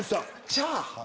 チャーハン。